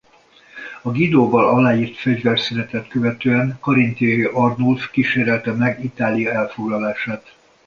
A Guidoval aláírt fegyverszünetet követően Karintiai Arnulf kísérelte meg Itália elfoglalását.